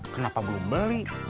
kenapa belum beli